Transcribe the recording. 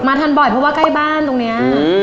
ทันบ่อยเพราะว่าใกล้บ้านตรงนี้